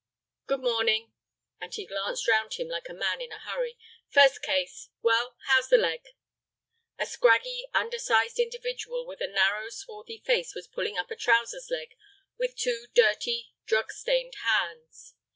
"Good morning," and he glanced round him like a man in a hurry; "first case. Well, how's the leg?" A scraggy, undersized individual with a narrow, swarthy face was pulling up a trousers leg with two dirty, drug stained hands.